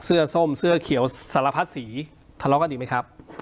ส้มเสื้อเขียวสารพัดสีทะเลาะกันอีกไหมครับ